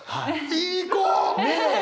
いい子！